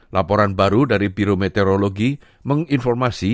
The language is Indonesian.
laporan baru dari biro meteorologi menginformasi